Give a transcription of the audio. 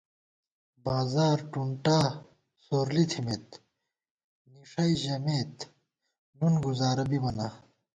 بازار ٹُنٹا سورلی تھِمېت نِݭَئ ژَمېت نُن گزارہ بِبہ نا